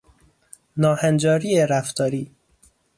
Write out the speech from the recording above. ناهنجاری رفتاری